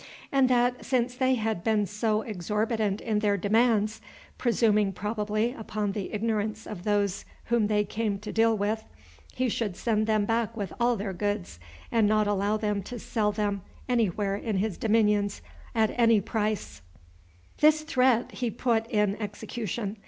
And that, since they had been so exorbitant in their demands, presuming probably upon the ignorance of those whom they came to deal with, he should send them back with all their goods, and not allow them to sell them any where in his dominions, at any price. [Illustration: MERCHANTS OFFERING THEIR GOODS.] This threat he put in execution.